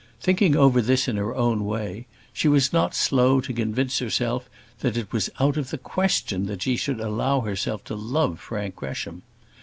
Thinking over this in her own way, she was not slow to convince herself that it was out of the question that she should allow herself to love Frank Gresham.